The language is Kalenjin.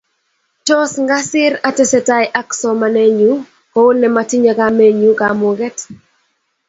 Tos ngasir atesetai ak somanenyu kou ne amatinye kamenyu kamuket.